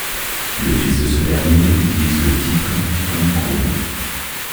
Le fils de ce dernier utilise le titre vicomte Grosmont.